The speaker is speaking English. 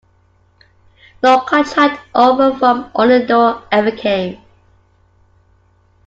No contract offer from Orlando ever came.